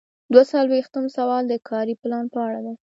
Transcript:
دوه څلویښتم سوال د کاري پلان په اړه دی.